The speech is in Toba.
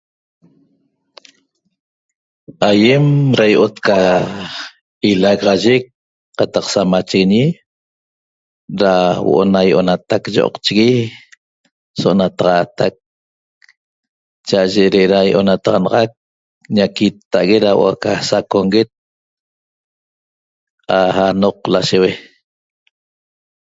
Aiem ra io'ot ca ilagaxayec qataq samachiguiñi ra huo'o na io'onatac yo'oqchigui so'onataxatac cha'aye re'era ionataxanaxac ñaquittaguet ra huo'o ca saconguet anoq lasheue